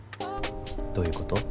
どういうこと？